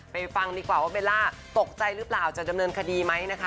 ฟังดีกว่าว่าเบลล่าตกใจหรือเปล่าจะดำเนินคดีไหมนะคะ